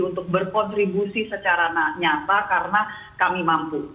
untuk berkontribusi secara nyata karena kami mampu